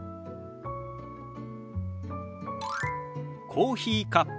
「コーヒーカップ」。